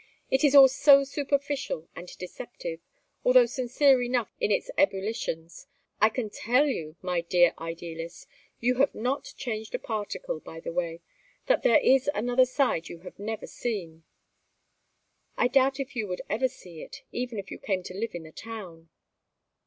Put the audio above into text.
"It is all so superficial and deceptive, although sincere enough in its ebullitions. I can tell you, my dear idealist you have not changed a particle, by the way that there is another side you have never seen. I doubt if you ever would see it, even if you came to live in the town."